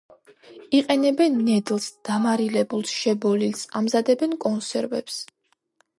იყენებენ ნედლს, დამარილებულს, შებოლილს, ამზადებენ კონსერვებს.